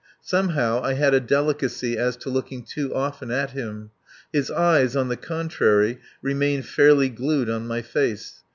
Somehow I had a delicacy as to looking too often at him; his eyes, on the contrary, remained fairly glued on my face.